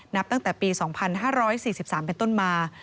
นับตั้งแต่ปี๒๕๔๓เป็นต้นมา